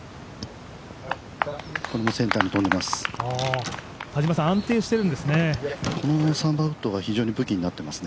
これもセンターに飛んでいます。